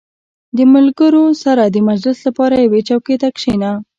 • د ملګرو سره د مجلس لپاره یوې چوکۍ ته کښېنه.